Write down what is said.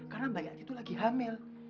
karena mbak yati itu lagi hamil